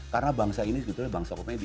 karena bangsa ini sebetulnya bangsa komedi